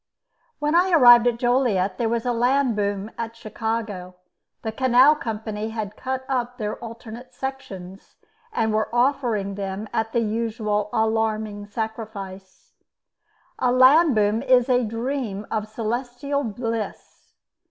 When I arrived at Joliet there was a land boom at Chicago. The canal company had cut up their alternate sections, and were offering them at the usual alarming sacrifice. A land boom is a dream of celestial bliss.